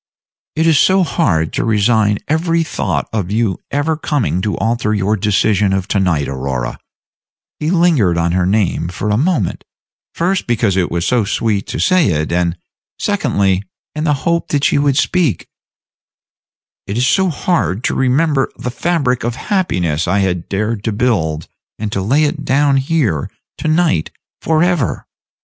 "It is so hard to resign every thought of your ever coming to alter your decision of tonight, Aurora" he lingered on her name for a moment, first because it was so sweet to say it, and, secondly, in the hope that she would speak "it is so hard to remember the fabric of happiness I had dared to build, and to lay it down here to night for ever."